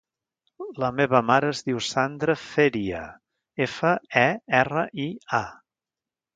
La meva mare es diu Sandra Feria: efa, e, erra, i, a.